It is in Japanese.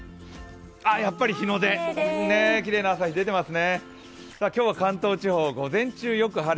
やっぱり日の出、きれいな朝日出てますね。